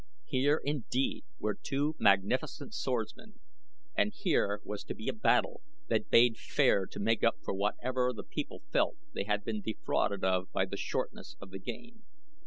Here indeed were two magnificent swordsmen, and here was to be a battle that bade fair to make up for whatever the people felt they had been defrauded of by the shortness of the game.